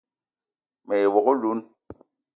Me ye wok oloun